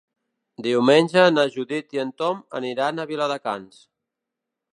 Diumenge na Judit i en Tom aniran a Viladecans.